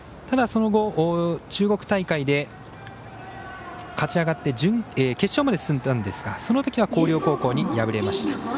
ただ、その後、中国大会で勝ち上がって決勝まで進んだんですがそのときは広陵高校に敗れました。